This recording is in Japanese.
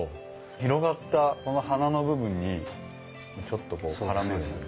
広がったこの花の部分にちょっと絡めるんですか？